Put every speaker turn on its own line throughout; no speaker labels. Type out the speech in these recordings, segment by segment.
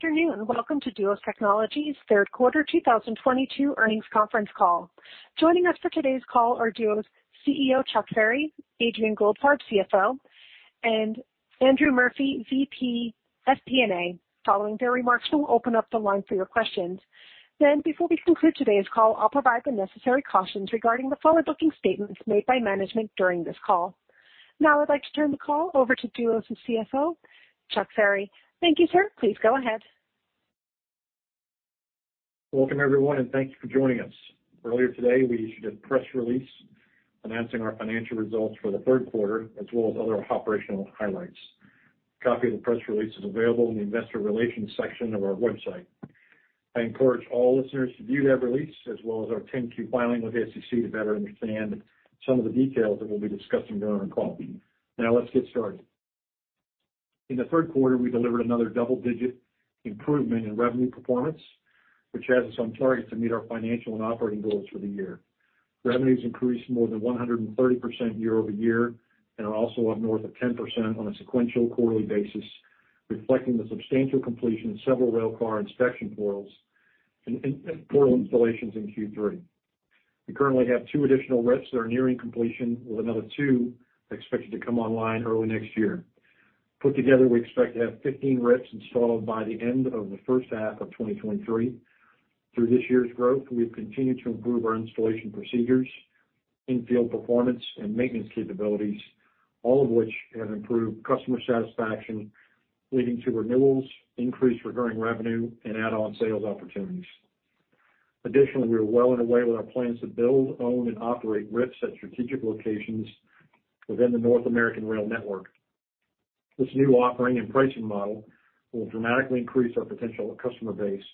Good afternoon. Welcome to Duos Technologies' third quarter 2022 earnings conference call. Joining us for today's call are Duos CEO, Chuck Ferry, Adrian Goldfarb, CFO, and Andrew Murphy, VP FP&A. Following their remarks, we'll open up the line for your questions. Before we conclude today's call, I'll provide the necessary cautions regarding the forward-looking statements made by management during this call. Now I'd like to turn the call over to Duos' CEO, Chuck Ferry. Thank you, sir. Please go ahead.
Welcome, everyone, and thank you for joining us. Earlier today, we issued a press release announcing our financial results for the third quarter as well as other operational highlights. A copy of the press release is available in the investor relations section of our website. I encourage all listeners to view that release as well as our 10-Q filing with the SEC to better understand some of the details that we'll be discussing during our call. Now let's get started. In the third quarter, we delivered another double-digit improvement in revenue performance, which has us on target to meet our financial and operating goals for the year. Revenues increased more than 130% year-over-year, and are also up north of 10% on a sequential quarterly basis, reflecting the substantial completion of several Railcar Inspection Portals and portal installations in Q3. We currently have two additional RIPS that are nearing completion, with another two expected to come online early next year. Put together, we expect to have 15 RIPS installed by the end of the first half of 2023. Through this year's growth, we've continued to improve our installation procedures, in-field performance and maintenance capabilities, all of which have improved customer satisfaction, leading to renewals, increased recurring revenue and add-on sales opportunities. Additionally, we are well underway with our plans to build, own and operate RIPS at strategic locations within the North American rail network. This new offering and pricing model will dramatically increase our potential customer base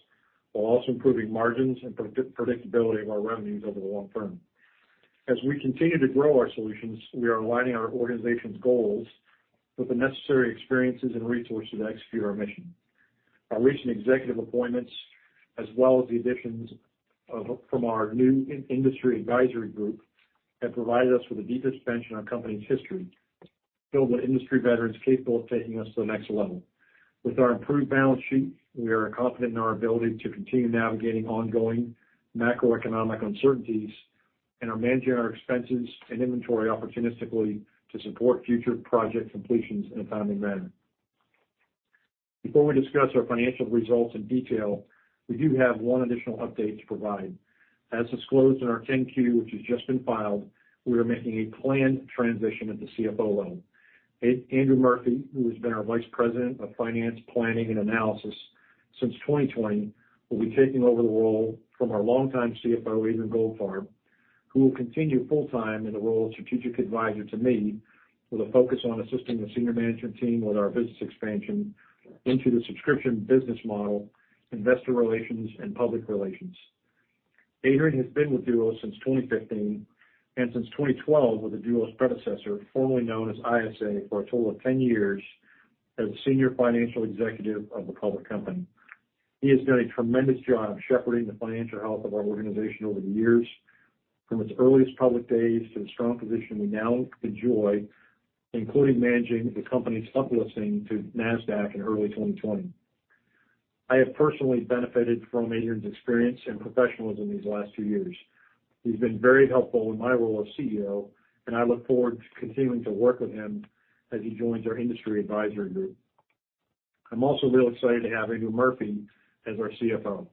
while also improving margins and predictability of our revenues over the long term. As we continue to grow our solutions, we are aligning our organization's goals with the necessary experiences and resources to execute our mission. Our recent executive appointments, as well as the additions of, from our new in-industry advisory group, have provided us with the deepest bench in our company's history, filled with industry veterans capable of taking us to the next level. With our improved balance sheet, we are confident in our ability to continue navigating ongoing macroeconomic uncertainties and are managing our expenses and inventory opportunistically to support future project completions in a timely manner. Before we discuss our financial results in detail, we do have one additional update to provide. As disclosed in our 10-Q, which has just been filed, we are making a planned transition at the CFO level. Andrew Murphy, who has been our Vice President of Finance, Planning and Analysis since 2020, will be taking over the role from our longtime CFO, Adrian Goldfarb, who will continue full-time in the role of strategic advisor to me with a focus on assisting the senior management team with our business expansion into the subscription business model, investor relations and public relations. Adrian has been with Duos since 2015 and since 2012 with the Duos predecessor, formerly known as ISA, for a total of 10 years as senior financial executive of the public company. He has done a tremendous job shepherding the financial health of our organization over the years, from its earliest public days to the strong position we now enjoy, including managing the company's uplisting to Nasdaq in early 2020. I have personally benefited from Adrian's experience and professionalism these last few years. He's been very helpful in my role as CEO, and I look forward to continuing to work with him as he joins our industry advisory group. I'm also real excited to have Andrew Murphy as our CFO.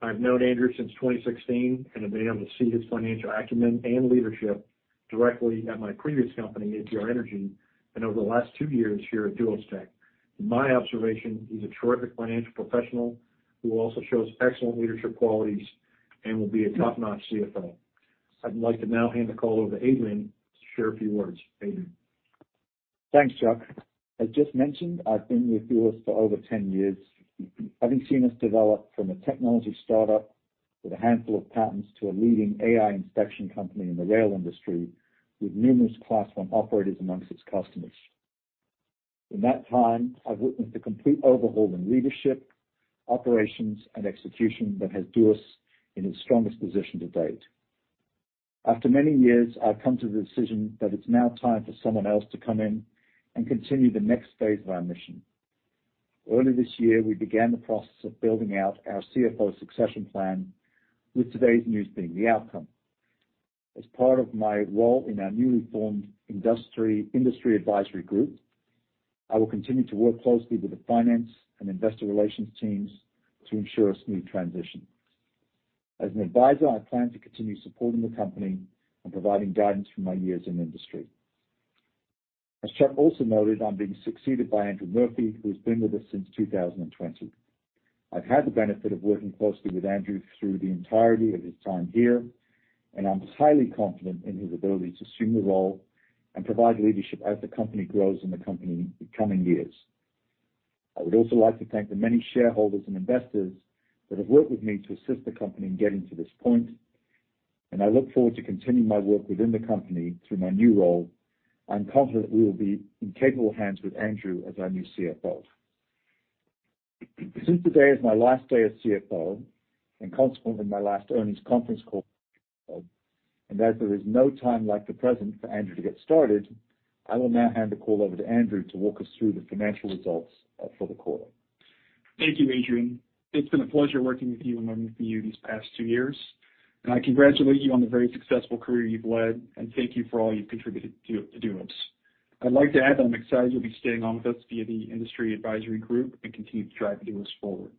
I've known Andrew since 2016 and have been able to see his financial acumen and leadership directly at my previous company, APR Energy, and over the last two years here at Duos Technologies. In my observation, he's a terrific financial professional who also shows excellent leadership qualities and will be a top-notch CFO. I'd like to now hand the call over to Adrian Goldfarb to share a few words. Adrian Goldfarb.
Thanks, Chuck. As just mentioned, I've been with Duos for over 10 years, having seen us develop from a technology startup with a handful of patents to a leading AI inspection company in the rail industry with numerous Class I operators amongst its customers. In that time, I've witnessed a complete overhaul in leadership, operations, and execution that has Duos in its strongest position to date. After many years, I've come to the decision that it's now time for someone else to come in and continue the next phase of our mission. Early this year, we began the process of building out our CFO succession plan, with today's news being the outcome. As part of my role in our newly formed industry advisory group, I will continue to work closely with the finance and investor relations teams to ensure a smooth transition. As an advisor, I plan to continue supporting the company and providing guidance from my years in the industry. As Chuck also noted, I'm being succeeded by Andrew Murphy, who's been with us since 2020. I've had the benefit of working closely with Andrew through the entirety of his time here, and I'm highly confident in his ability to assume the role and provide leadership as the company grows in the coming years. I would also like to thank the many shareholders and investors that have worked with me to assist the company in getting to this point, and I look forward to continuing my work within the company through my new role. I'm confident we will be in capable hands with Andrew as our new CFO. Since today is my last day as CFO and consequently my last earnings conference call. As there is no time like the present for Andrew to get started, I will now hand the call over to Andrew to walk us through the financial results for the quarter.
Thank you, Adrian. It's been a pleasure working with you and learning from you these past two years, and I congratulate you on the very successful career you've led, and thank you for all you've contributed to Duos. I'd like to add that I'm excited you'll be staying on with us via the industry advisory group and continue to drive Duos forward.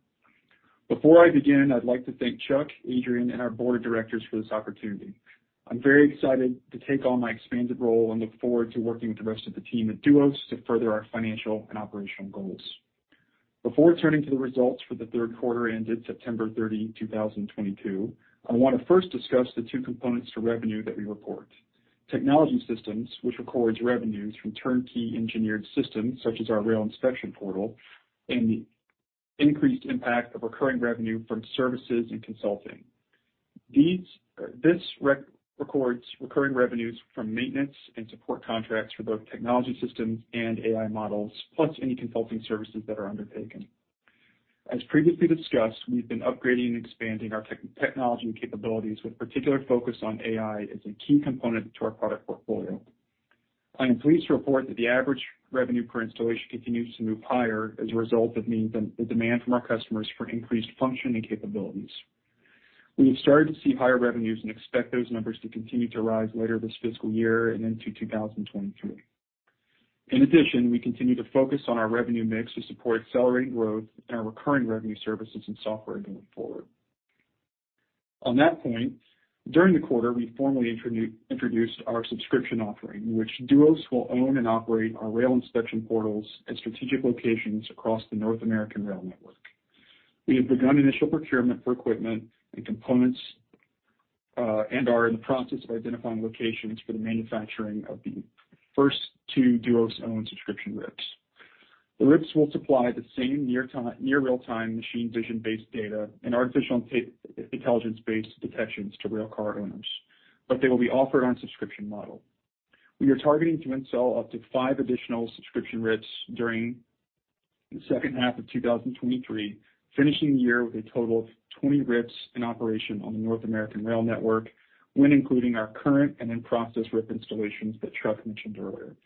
Before I begin, I'd like to thank Chuck, Adrian, and our board of directors for this opportunity. I'm very excited to take on my expanded role and look forward to working with the rest of the team at Duos to further our financial and operational goals. Before turning to the results for the third quarter ended September 30, 2022, I wanna first discuss the two components to revenue that we report. Technology systems, which records revenues from turnkey engineered systems such as our Railcar Inspection Portal, and the increased impact of recurring revenue from services and consulting. This records recurring revenues from maintenance and support contracts for both technology systems and AI models, plus any consulting services that are undertaken. As previously discussed, we've been upgrading and expanding our technology capabilities with particular focus on AI as a key component to our product portfolio. I am pleased to report that the average revenue per installation continues to move higher as a result of the demand from our customers for increased function and capabilities. We have started to see higher revenues and expect those numbers to continue to rise later this fiscal year and into 2023. In addition, we continue to focus on our revenue mix to support accelerating growth and our recurring revenue services and software going forward. On that point, during the quarter, we formally introduced our subscription offering, which Duos will own and operate our Railcar Inspection Portals at strategic locations across the North American rail network. We have begun initial procurement for equipment and components, and are in the process of identifying locations for the manufacturing of the first two Duos-owned subscription RIPS. The RIPS will supply the same near real-time machine vision-based data and artificial intelligence-based detections to rail car owners, but they will be offered on a subscription model. We are targeting to install up to five additional subscription RIPS during the second half of 2023, finishing the year with a total of 20 RIPS in operation on the North American rail network, when including our current and in-process RIPS installations that Chuck mentioned earlier.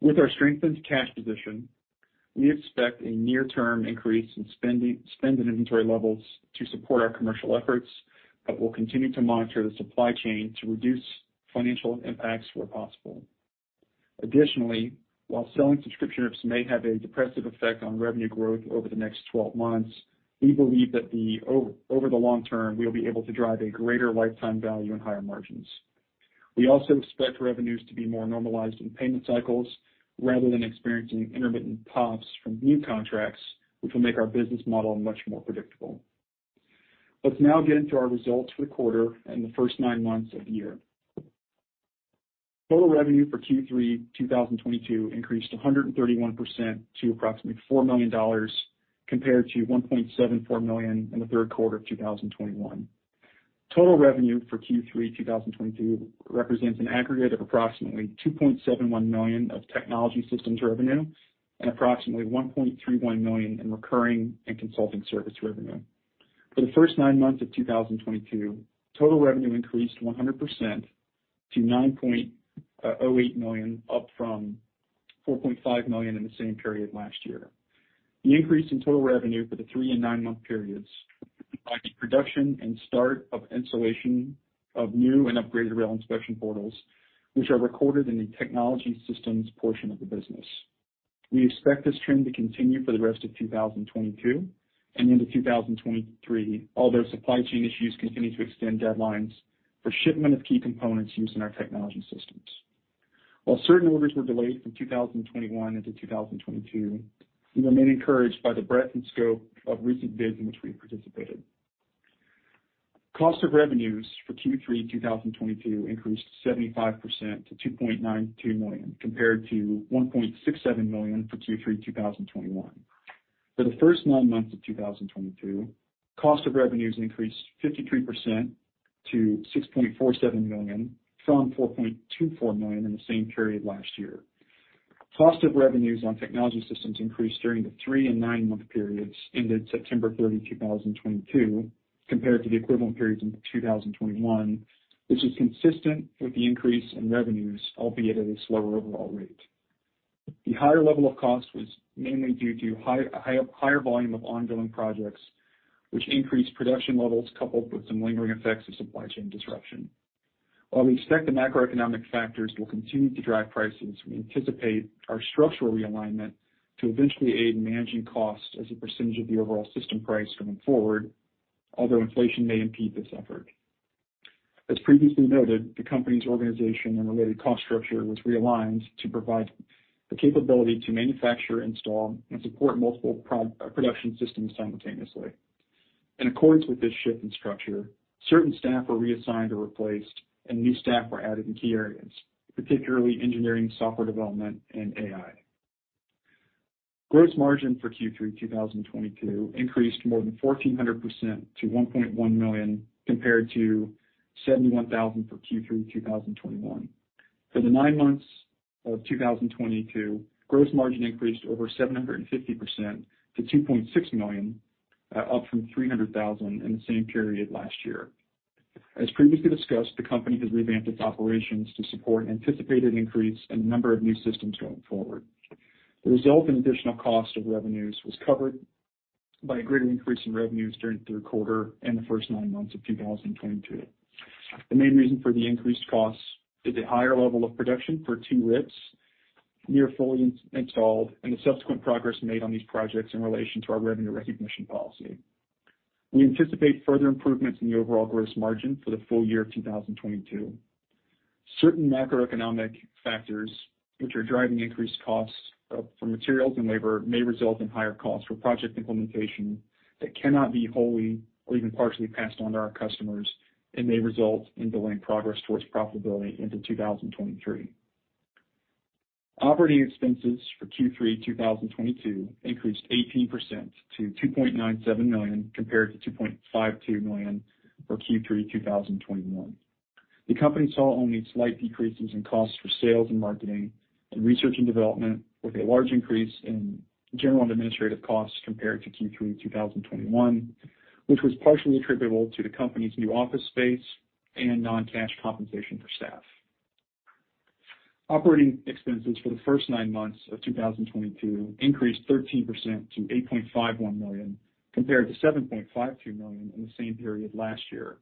With our strengthened cash position, we expect a near-term increase in spending and inventory levels to support our commercial efforts, but we'll continue to monitor the supply chain to reduce financial impacts where possible. Additionally, while selling subscription RIPS may have a depressive effect on revenue growth over the next 12 months, we believe that over the long term, we'll be able to drive a greater lifetime value and higher margins. We also expect revenues to be more normalized in payment cycles rather than experiencing intermittent pops from new contracts, which will make our business model much more predictable. Let's now get into our results for the quarter and the first nine months of the year. Total revenue for Q3 2022 increased 131% to approximately $4 million compared to $1.74 million in the third quarter of 2021. Total revenue for Q3 2022 represents an aggregate of approximately $2.71 million of technology systems revenue and approximately $1.31 million in recurring and consulting service revenue. For the first nine months of 2022, total revenue increased 100% to $9.08 million, up from $4.5 million in the same period last year. The increase in total revenue for the three- and nine-month periods on the production and start of installation of new and upgraded Railcar Inspection Portals, which are recorded in the technology systems portion of the business. We expect this trend to continue for the rest of 2022 and into 2023, although supply chain issues continue to extend deadlines for shipment of key components used in our technology systems. While certain orders were delayed from 2021 into 2022, we remain encouraged by the breadth and scope of recent bids in which we participated. Cost of revenues for Q3 2022 increased 75% to $2.92 million, compared to $1.67 million for Q3 2021. For the first nine months of 2022, cost of revenues increased 53% to $6.47 million from $4.24 million in the same period last year. Cost of revenues on technology systems increased during the three and nine-month periods ended September 30, 2022, compared to the equivalent periods in 2021, which is consistent with the increase in revenues, albeit at a slower overall rate. The higher level of cost was mainly due to higher volume of ongoing projects, which increased production levels coupled with some lingering effects of supply chain disruption. While we expect the macroeconomic factors will continue to drive prices, we anticipate our structural realignment to eventually aid in managing costs as a percentage of the overall system price going forward, although inflation may impede this effort. As previously noted, the company's organization and related cost structure was realigned to provide the capability to manufacture, install, and support multiple production systems simultaneously. In accordance with this shift in structure, certain staff were reassigned or replaced, and new staff were added in key areas, particularly engineering, software development, and AI. Gross margin for Q3 2022 increased more than 1,400% to $1.1 million, compared to $71,000 for Q3 2021. For the nine months of 2022, gross margin increased over 750% to $2.6 million, up from $300,000 in the same period last year. As previously discussed, the company has revamped its operations to support anticipated increase in the number of new systems going forward. The result in additional cost of revenues was covered by a greater increase in revenues during the third quarter and the first nine months of 2022. The main reason for the increased costs is the higher level of production for 2 RIPS nearly fully installed and the subsequent progress made on these projects in relation to our revenue recognition policy. We anticipate further improvements in the overall gross margin for the full year of 2022. Certain macroeconomic factors which are driving increased costs for materials and labor may result in higher costs for project implementation that cannot be wholly or even partially passed on to our customers and may result in delaying progress towards profitability into 2023. Operating expenses for Q3 2022 increased 18% to $2.97 million compared to $2.52 million for Q3 2021. The company saw only slight decreases in costs for sales and marketing and research and development, with a large increase in general and administrative costs compared to Q3 2021, which was partially attributable to the company's new office space and non-cash compensation for staff. Operating expenses for the first nine months of 2022 increased 13% to $8.51 million, compared to $7.52 million in the same period last year.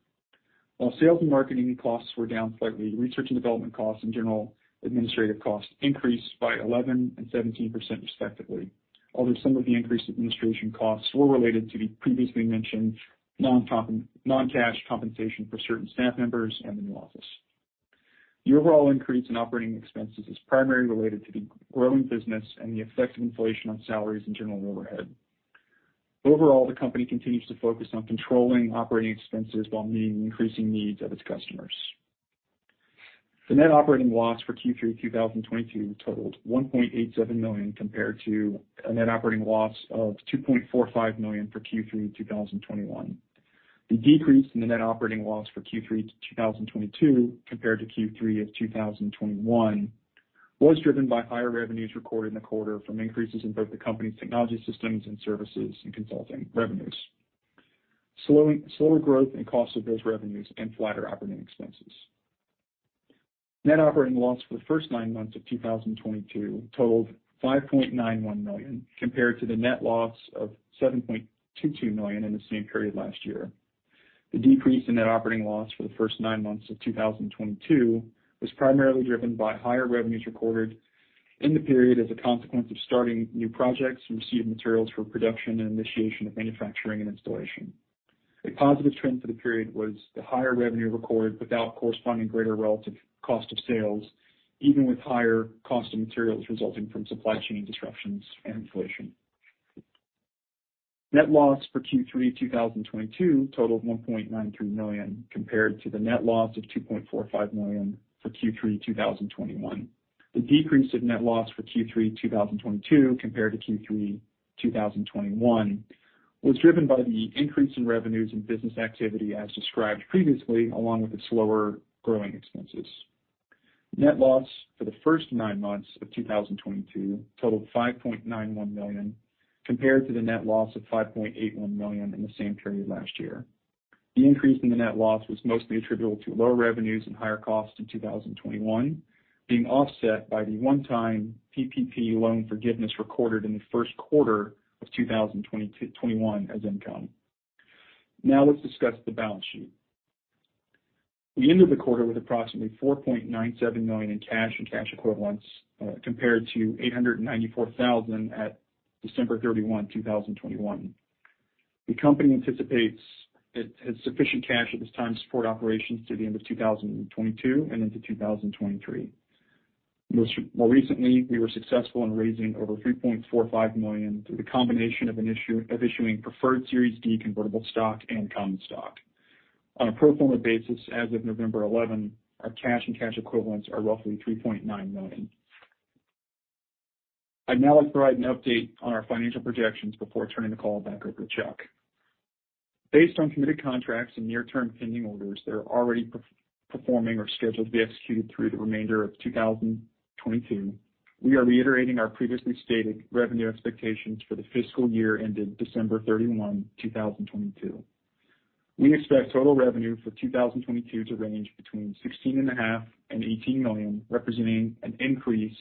While sales and marketing costs were down slightly, research and development costs and general administrative costs increased by 11% and 17%, respectively. Although some of the increased administration costs were related to the previously mentioned non-cash compensation for certain staff members and the new office. The overall increase in operating expenses is primarily related to the growing business and the effects of inflation on salaries and general overhead. Overall, the company continues to focus on controlling operating expenses while meeting the increasing needs of its customers. The net operating loss for Q3 2022 totaled $1.87 million compared to a net operating loss of $2.45 million for Q3 2021. The decrease in the net operating loss for Q3 2022 compared to Q3 of 2021 was driven by higher revenues recorded in the quarter from increases in both the company's technology systems and services and consulting revenues. Slower growth in cost of goods revenues and flatter operating expenses. Net operating loss for the first nine months of 2022 totaled $5.91 million, compared to the net loss of $7.22 million in the same period last year. The decrease in net operating loss for the first nine months of 2022 was primarily driven by higher revenues recorded in the period as a consequence of starting new projects, receiving materials for production, and initiation of manufacturing and installation. A positive trend for the period was the higher revenue recorded without corresponding greater relative cost of sales, even with higher cost of materials resulting from supply chain disruptions and inflation. Net loss for Q3 2022 totaled $1.93 million compared to the net loss of $2.45 million for Q3 2021. The decrease of net loss for Q3 2022 compared to Q3 2021 was driven by the increase in revenues and business activity as described previously, along with the slower growing expenses. Net loss for the first nine months of 2022 totaled $5.91 million, compared to the net loss of $5.81 million in the same period last year. The increase in the net loss was mostly attributable to lower revenues and higher costs in 2021, being offset by the one-time PPP loan forgiveness recorded in the first quarter of 2021 as income. Now let's discuss the balance sheet. We ended the quarter with approximately $4.97 million in cash and cash equivalents, compared to $894,000 at December 31, 2021. The company anticipates it has sufficient cash at this time to support operations to the end of 2022 and into 2023. More recently, we were successful in raising over $3.45 million through the combination of issuing preferred Series D convertible stock and common stock. On a pro forma basis, as of November 11, our cash and cash equivalents are roughly $3.9 million. I'd now like to provide an update on our financial projections before turning the call back over to Chuck. Based on committed contracts and near-term pending orders that are already performing or scheduled to be executed through the remainder of 2022, we are reiterating our previously stated revenue expectations for the fiscal year ended December 31, 2022. We expect total revenue for 2022 to range between $16.5 million and $18 million, representing an increase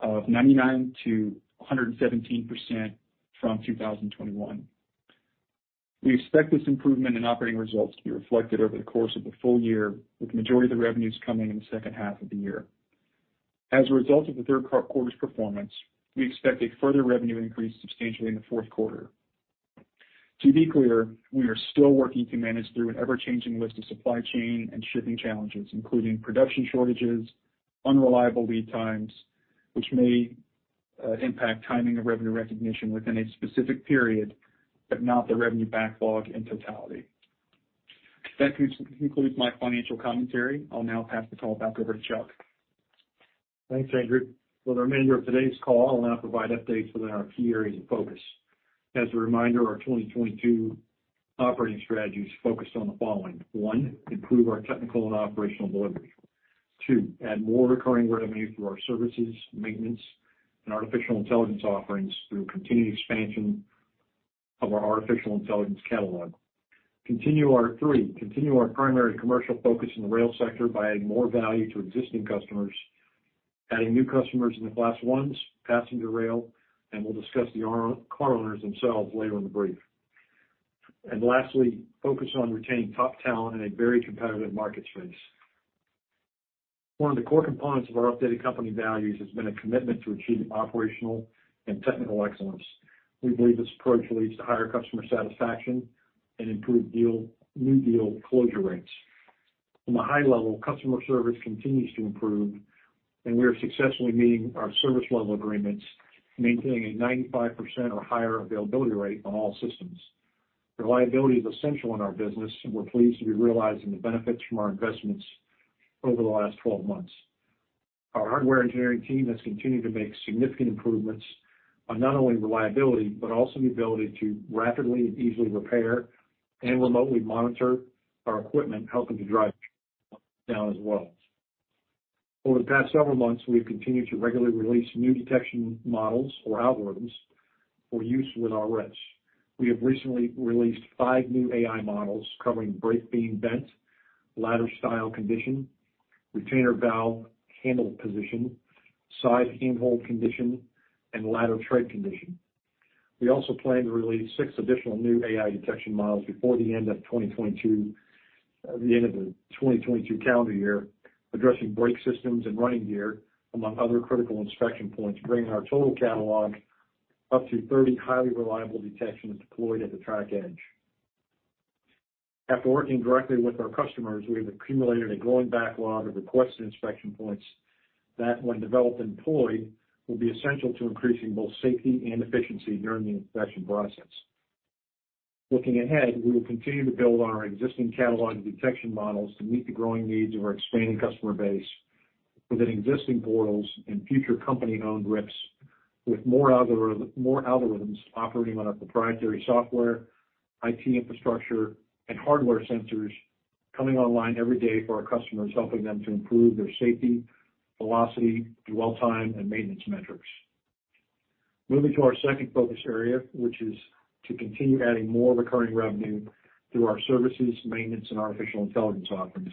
of 99%-117% from 2021. We expect this improvement in operating results to be reflected over the course of the full year, with the majority of the revenues coming in the second half of the year. As a result of the third quarter's performance, we expect a further revenue increase substantially in the fourth quarter. To be clear, we are still working to manage through an ever-changing list of supply chain and shipping challenges, including production shortages, unreliable lead times, which may impact timing of revenue recognition within a specific period, but not the revenue backlog in totality. That concludes my financial commentary. I'll now pass the call back over to Chuck.
Thanks, Andrew. For the remainder of today's call, I'll now provide updates within our key areas of focus. As a reminder, our 2022 operating strategy is focused on the following. One, improve our technical and operational delivery. Two, add more recurring revenue through our services, maintenance, and artificial intelligence offerings through continued expansion of our artificial intelligence catalog. Three, continue our primary commercial focus in the rail sector by adding more value to existing customers, adding new customers in the class ones, passenger rail, and we'll discuss the car owners themselves later in the brief. Lastly, focus on retaining top talent in a very competitive market space. One of the core components of our updated company values has been a commitment to achieving operational and technical excellence. We believe this approach leads to higher customer satisfaction and improved new deal closure rates. From a high level, customer service continues to improve and we are successfully meeting our service level agreements, maintaining a 95% or higher availability rate on all systems. Reliability is essential in our business, and we're pleased to be realizing the benefits from our investments over the last 12 months. Our hardware engineering team has continued to make significant improvements on not only reliability, but also the ability to rapidly and easily repair and remotely monitor our equipment, helping to drive down as well. Over the past several months, we've continued to regularly release new detection models or algorithms for use with our RIPS. We have recently released five new AI models covering brake beam bent, ladder style condition, retainer valve handle position, side hand hold condition, and ladder tread condition. We also plan to release six additional new AI detection models before the end of 2022, the end of the 2022 calendar year, addressing brake systems and running gear among other critical inspection points, bringing our total catalog up to 30 highly reliable detections deployed at the track edge. After working directly with our customers, we have accumulated a growing backlog of requested inspection points that, when developed and deployed, will be essential to increasing both safety and efficiency during the inspection process. Looking ahead, we will continue to build on our existing catalog of detection models to meet the growing needs of our expanding customer base within existing portals and future company-owned RIPS, with more algorithms operating on our proprietary software, IT infrastructure, and hardware sensors coming online every day for our customers, helping them to improve their safety, velocity, dwell time, and maintenance metrics. Moving to our second focus area, which is to continue adding more recurring revenue through our services, maintenance, and artificial intelligence offerings.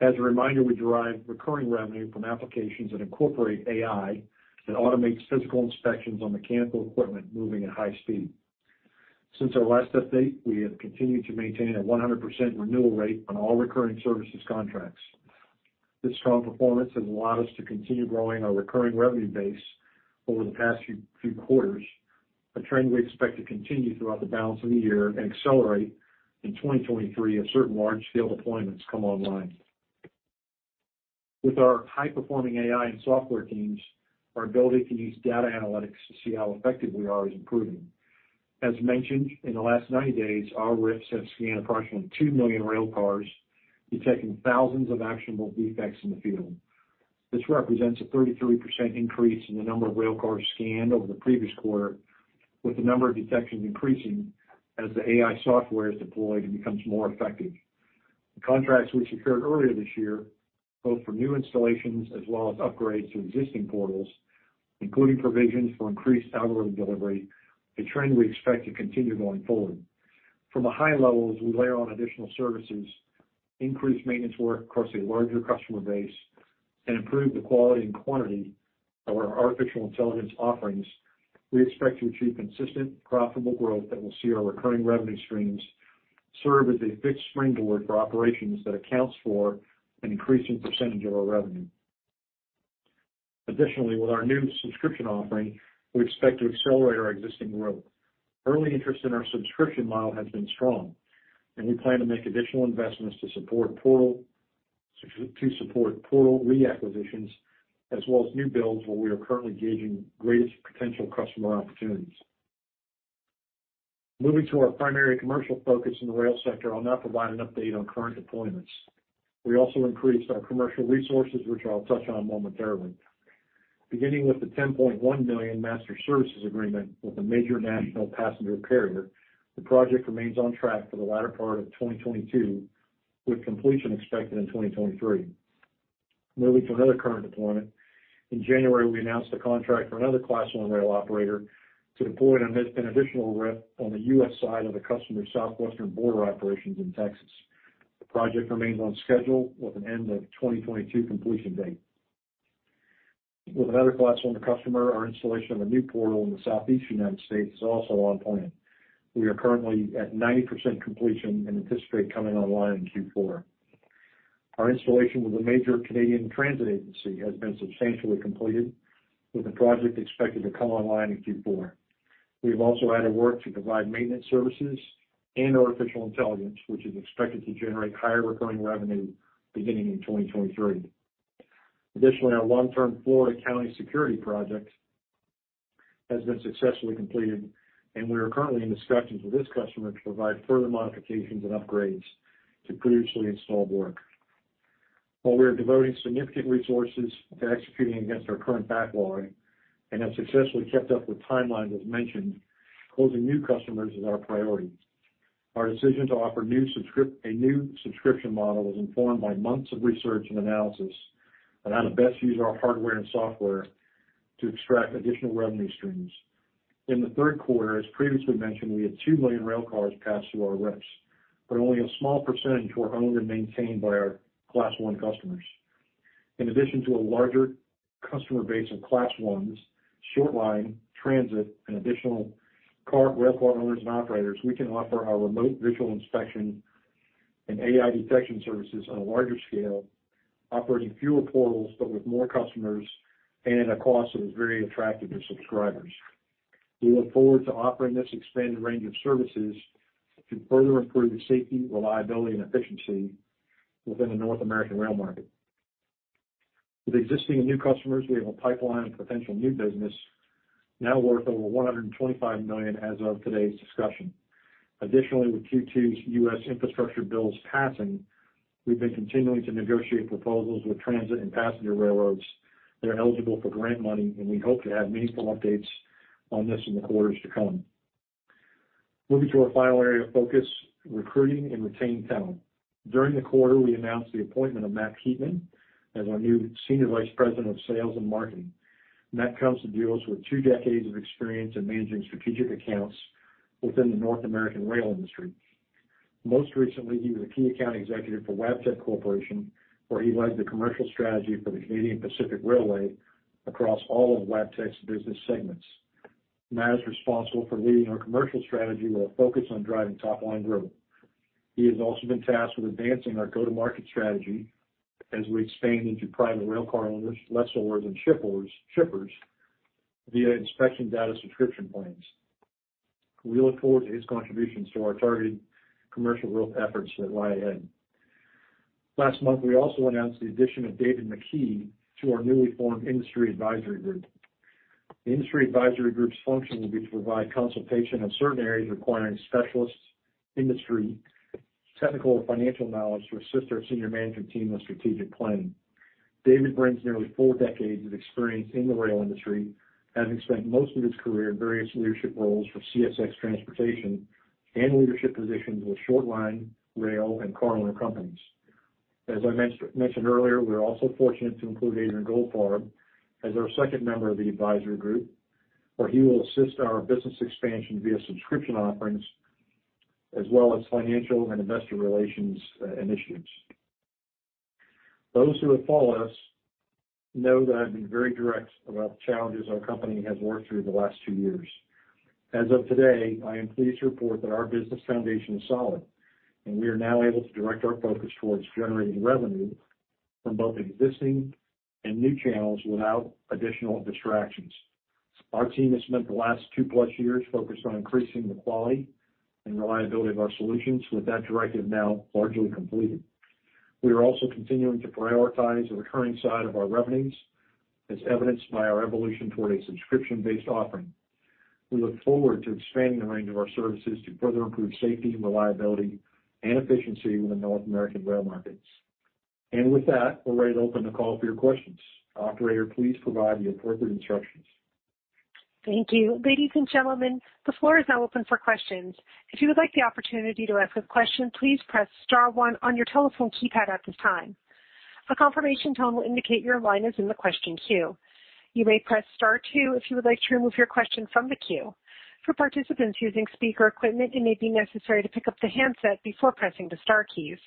As a reminder, we derive recurring revenue from applications that incorporate AI that automates physical inspections on mechanical equipment moving at high speed. Since our last update, we have continued to maintain a 100% renewal rate on all recurring services contracts. This strong performance has allowed us to continue growing our recurring revenue base over the past few quarters, a trend we expect to continue throughout the balance of the year and accelerate in 2023 as certain large-scale deployments come online. With our high-performing AI and software teams, our ability to use data analytics to see how effective we are is improving. As mentioned, in the last 90 days, our RIPS have scanned approximately two million rail cars, detecting thousands of actionable defects in the field. This represents a 33% increase in the number of rail cars scanned over the previous quarter, with the number of detections increasing as the AI software is deployed and becomes more effective. The contracts we secured earlier this year, both for new installations as well as upgrades to existing portals, including provisions for increased algorithm delivery, a trend we expect to continue going forward. From a high levels, we layer on additional services, increase maintenance work across a larger customer base, and improve the quality and quantity of our artificial intelligence offerings, we expect to achieve consistent, profitable growth that will see our recurring revenue streams serve as a fixed springboard for operations that accounts for an increasing percentage of our revenue. Additionally, with our new subscription offering, we expect to accelerate our existing growth. Early interest in our subscription model has been strong, and we plan to make additional investments to support portal re-acquisitions as well as new builds where we are currently gauging greatest potential customer opportunities. Moving to our primary commercial focus in the rail sector, I'll now provide an update on current deployments. We also increased our commercial resources, which I'll touch on momentarily. Beginning with the $10.1 million master services agreement with a major national passenger carrier, the project remains on track for the latter part of 2022, with completion expected in 2023. Moving to another current deployment, in January, we announced a contract for another Class I rail operator to deploy an additional RIPS on the U.S. side of the customer's southwestern border operations in Texas. The project remains on schedule with an end of 2022 completion date. With another class one customer, our installation of a new portal in the Southeast United States is also on plan. We are currently at 90% completion and anticipate coming online in Q4. Our installation with a major Canadian transit agency has been substantially completed with the project expected to come online in Q4. We have also added work to provide maintenance services and artificial intelligence, which is expected to generate higher recurring revenue beginning in 2023. Additionally, our long-term Florida County security project has been successfully completed, and we are currently in discussions with this customer to provide further modifications and upgrades to previously installed work. While we are devoting significant resources to executing against our current backlog and have successfully kept up with timelines as mentioned, closing new customers is our priority. Our decision to offer a new subscription model was informed by months of research and analysis on how to best use our hardware and software to extract additional revenue streams. In the third quarter, as previously mentioned, we had two million rail cars pass through our RIPS, but only a small percentage were owned and maintained by our Class One customers. In addition to a larger customer base of Class Ones, short line, transit, and additional rail car owners and operators, we can offer our remote visual inspection and AI detection services on a larger scale, operating fewer portals but with more customers and at a cost that is very attractive to subscribers. We look forward to offering this expanded range of services to further improve safety, reliability, and efficiency within the North American rail market. With existing and new customers, we have a pipeline of potential new business now worth over $125 million as of today's discussion. Additionally, with Q2's U.S. infrastructure bills passing, we've been continuing to negotiate proposals with transit and passenger railroads that are eligible for grant money, and we hope to have meaningful updates on this in the quarters to come. Moving to our final area of focus, recruiting and retaining talent. During the quarter, we announced the appointment of Matt Keepman as our new Senior Vice President of Sales and Marketing. Matt comes to Duos with two decades of experience in managing strategic accounts within the North American rail industry. Most recently, he was a key account executive for Wabtec Corporation, where he led the commercial strategy for the Canadian Pacific Railway across all of Wabtec's business segments. Matt is responsible for leading our commercial strategy with a focus on driving top-line growth. He has also been tasked with advancing our go-to-market strategy as we expand into private rail car owners, lessors, and shippers via inspection data subscription plans. We look forward to his contributions to our targeted commercial growth efforts that lie ahead. Last month, we also announced the addition of David McKee to our newly formed industry advisory group. The industry advisory group's function will be to provide consultation in certain areas requiring specialist industry, technical, or financial knowledge to assist our senior management team on strategic planning. David brings nearly four decades of experience in the rail industry, having spent most of his career in various leadership roles for CSX Transportation and leadership positions with short line, rail, and car owner companies. As I mentioned earlier, we are also fortunate to include Adrian Goldfarb as our second member of the advisory group, where he will assist our business expansion via subscription offerings as well as financial and investor relations initiatives. Those who have followed us know that I've been very direct about the challenges our company has worked through the last two years. As of today, I am pleased to report that our business foundation is solid, and we are now able to direct our focus towards generating revenue from both existing and new channels without additional distractions. Our team has spent the last two-plus years focused on increasing the quality and reliability of our solutions with that directive now largely completed. We are also continuing to prioritize the recurring side of our revenues, as evidenced by our evolution toward a subscription-based offering. We look forward to expanding the range of our services to further improve safety, reliability, and efficiency in the North American rail markets. With that, we're ready to open the call for your questions. Operator, please provide the appropriate instructions.
Thank you. Ladies and gentlemen, the floor is now open for questions. If you would like the opportunity to ask a question, please press star one on your telephone keypad at this time. A confirmation tone will indicate your line is in the question queue. You may press star two if you would like to remove your question from the queue. For participants using speaker equipment, it may be necessary to pick up the handset before pressing the star keys.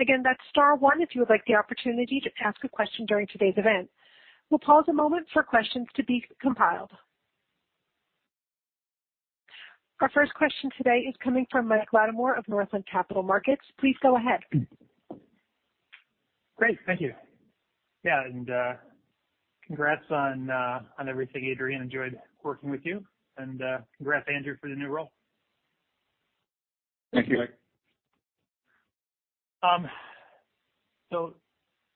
Again, that's star one if you would like the opportunity to ask a question during today's event. We'll pause a moment for questions to be compiled. Our first question today is coming from Michael Latimore of Northland Capital Markets. Please go ahead.
Great. Thank you. Yeah, congrats on everything, Adrian. Enjoyed working with you, and congrats, Andrew, for the new role.
Thank you, Mike.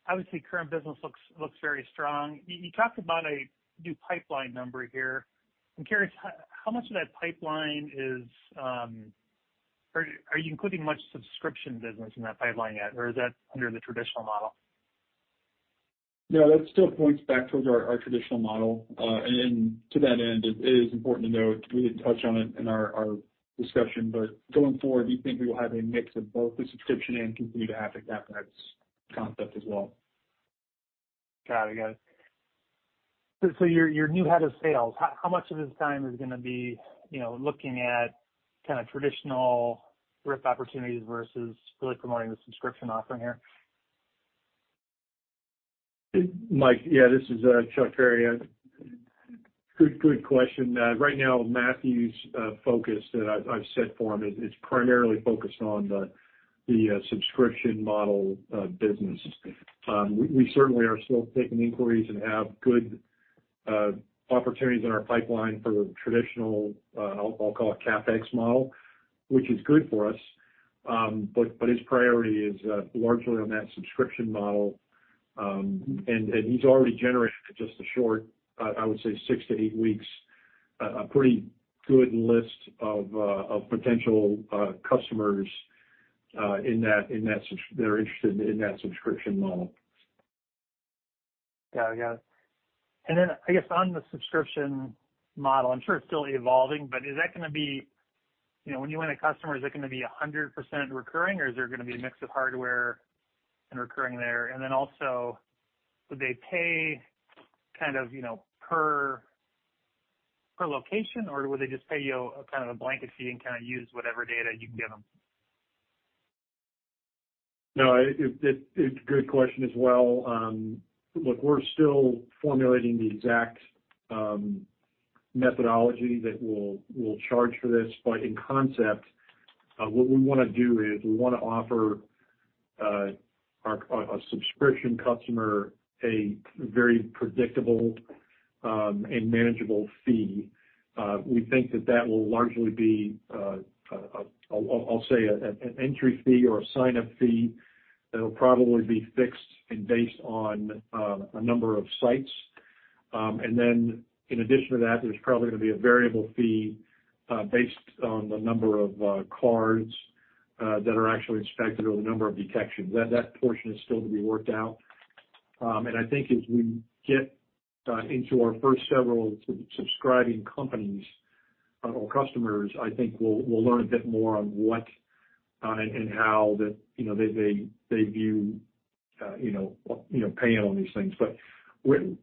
Obviously current business looks very strong. You talked about a new pipeline number here. I'm curious, how much of that pipeline is. Are you including much subscription business in that pipeline yet, or is that under the traditional model?
No, that still points back towards our traditional model. To that end, it is important to note we didn't touch on it in our discussion, but going forward, we think we will have a mix of both the subscription and continued CapEx concept as well.
Got it. Your new head of sales, how much of his time is gonna be, you know, looking at kind of traditional risk opportunities versus really promoting the subscription offering here?
Mike, yeah, this is Chuck Ferry. Good question. Right now Matt's focus that I've set for him is primarily focused on the subscription model business. We certainly are still taking inquiries and have good opportunities in our pipeline for traditional, I'll call it CapEx model, which is good for us. But his priority is largely on that subscription model, and he's already generated just a short, I would say 6-8 weeks, a pretty good list of potential customers in that are interested in that subscription model.
Yeah. I guess on the subscription model, I'm sure it's still evolving, but is that gonna be you know, when you win a customer, is it gonna be 100% recurring, or is there gonna be a mix of hardware and recurring there? Also, would they pay kind of you know per location, or would they just pay you a kind of a blanket fee and kind of use whatever data you can give them?
No, it's a good question as well. Look, we're still formulating the exact methodology that we'll charge for this. In concept, what we wanna do is we wanna offer our subscription customer a very predictable and manageable fee. We think that will largely be, I'll say an entry fee or a sign-up fee that'll probably be fixed and based on a number of sites. And then in addition to that, there's probably gonna be a variable fee based on the number of cars that are actually inspected or the number of detections. That portion is still to be worked out. I think as we get into our first several subscribing companies or customers, I think we'll learn a bit more on what and how that, you know, they view, you know, paying on these things.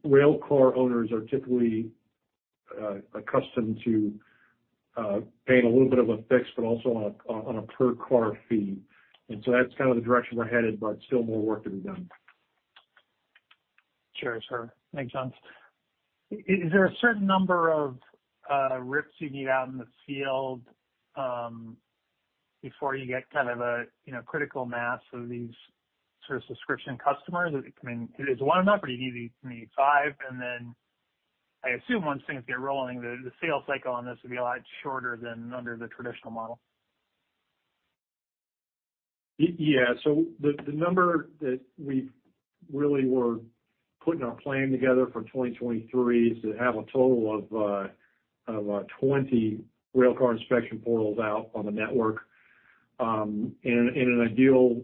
Railcar owners are typically accustomed to paying a little bit of a fix but also on a per car fee. That's kind of the direction we're headed, but still more work to be done.
Sure. Thanks, Chuck Ferry. Is there a certain number of RIPS you need out in the field before you get kind of a, you know, critical mass of these sort of subscription customers? I mean, is it one enough or do you need five? I assume once things get rolling, the sales cycle on this will be a lot shorter than under the traditional model.
Yeah. The number that we really were putting our plan together for 2023 is to have a total of 20 Railcar Inspection Portals out on the network. In an ideal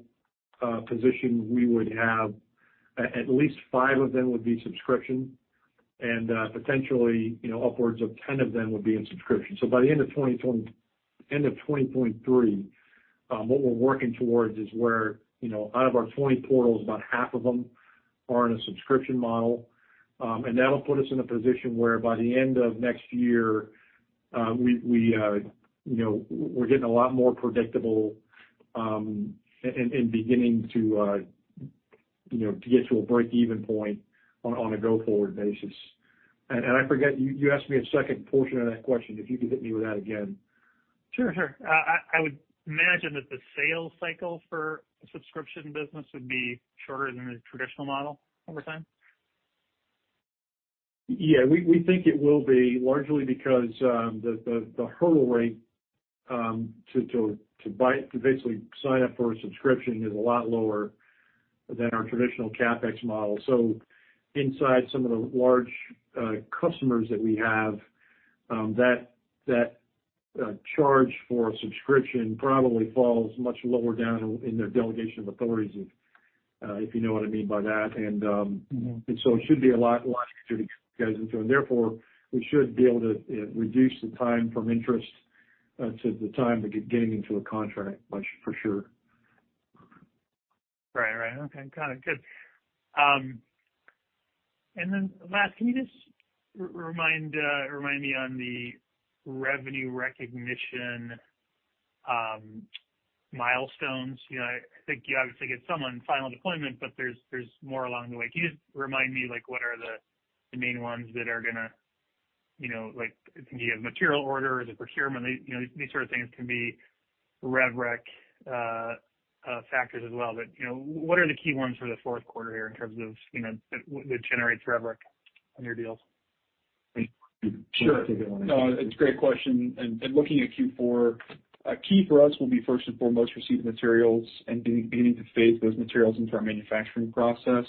position, we would have at least five of them would be subscription and potentially, you know, upwards of 10 of them would be in subscription. By the end of 2023, what we're working towards is where, you know, out of our 20 portals, about half of them are in a subscription model. That'll put us in a position where by the end of next year, you know, we're getting a lot more predictable and beginning to get to a break-even point on a go-forward basis. I forget, you asked me a second portion of that question, if you could hit me with that again.
Sure. I would imagine that the sales cycle for a subscription business would be shorter than the traditional model over time.
Yeah. We think it will be largely because the hurdle rate to buy, to basically sign up for a subscription is a lot lower than our traditional CapEx model. Inside some of the large customers that we have, that charge for a subscription probably falls much lower down in their delegation of authorities, if you know what I mean by that.
Mm-hmm.
It should be a lot easier to get guys into. Therefore, we should be able to reduce the time from interest to the time to getting into a contract much, for sure.
Right. Okay. Got it. Good. Last, can you just remind me on the revenue recognition milestones? You know, I think you obviously get some on final deployment, but there's more along the way. Can you just remind me, like, what are the main ones that are gonna, you know, like, I think you have material order, the procurement, you know, these sort of things can be rev rec factors as well. You know, what are the key ones for the fourth quarter here in terms of, you know, that generates rev rec on your deals?
Sure. No, it's a great question. Looking at Q4, key for us will be first and foremost receipt of materials and beginning to phase those materials into our manufacturing process.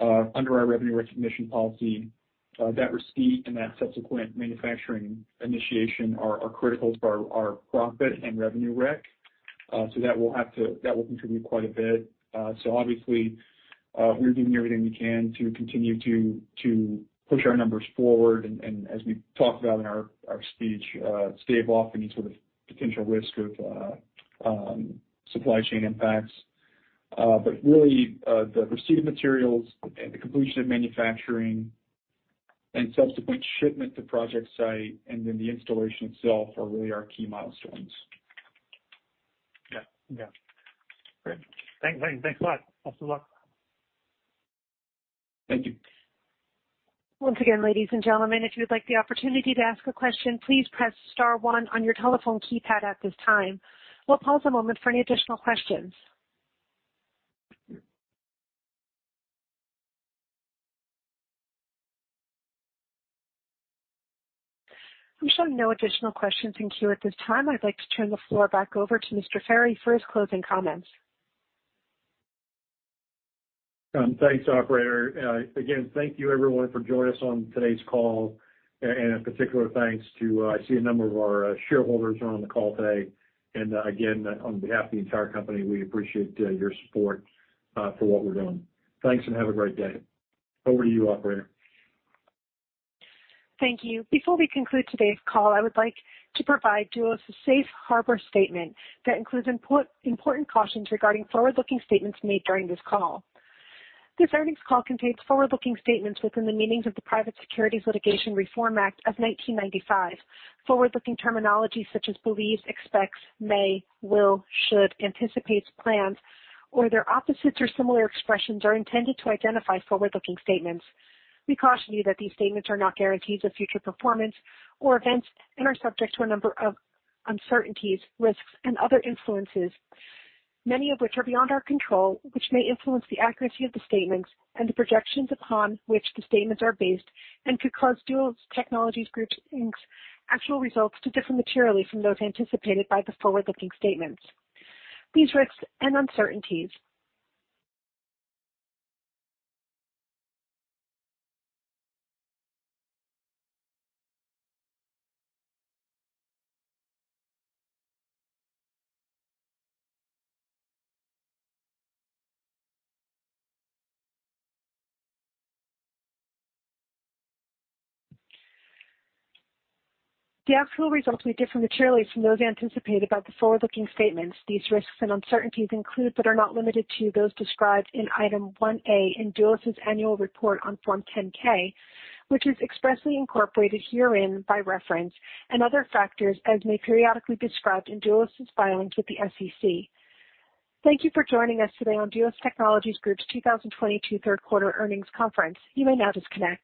Under our revenue recognition policy, that receipt and that subsequent manufacturing initiation are critical to our profit and revenue rec. That will contribute quite a bit. Obviously, we're doing everything we can to continue to push our numbers forward and as we talked about in our speech, stave off any sort of potential risk of supply chain impacts. Really, the receipt of materials and the completion of manufacturing and subsequent shipment to project site and then the installation itself are really our key milestones.
Yeah. Yeah. Great. Thanks a lot. Lots of luck.
Thank you.
Once again, ladies and gentlemen, if you would like the opportunity to ask a question, please press star one on your telephone keypad at this time. We'll pause a moment for any additional questions. I'm showing no additional questions in queue at this time. I'd like to turn the floor back over to Mr. Ferry for his closing comments.
Thanks, operator. Again, thank you everyone for joining us on today's call, and a particular thanks to, I see a number of our shareholders are on the call today. Again, on behalf of the entire company, we appreciate your support for what we're doing. Thanks, and have a great day. Over to you, operator.
Thank you. Before we conclude today's call, I would like to provide Duos' Safe Harbor statement that includes important cautions regarding forward-looking statements made during this call. This earnings call contains forward-looking statements within the meanings of the Private Securities Litigation Reform Act of 1995. Forward-looking terminology such as believes, expects, may, will, should, anticipates, plans, or their opposites or similar expressions are intended to identify forward-looking statements. We caution you that these statements are not guarantees of future performance or events and are subject to a number of uncertainties, risks, and other influences, many of which are beyond our control, which may influence the accuracy of the statements and the projections upon which the statements are based and could cause Duos Technologies Group, Inc.'s actual results to differ materially from those anticipated by the forward-looking statements. These risks and uncertainties. The actual results may differ materially from those anticipated about the forward-looking statements. These risks and uncertainties include, but are not limited to, those described in Item 1A in Duos' annual report on Form 10-K, which is expressly incorporated herein by reference and other factors as may periodically be described in Duos' filings with the SEC. Thank you for joining us today on Duos Technologies Group's 2022 third quarter earnings conference. You may now disconnect.